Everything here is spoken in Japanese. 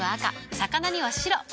魚には白。